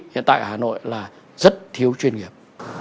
hiện tại ở hà nội là rất thiếu chuyên nghiệp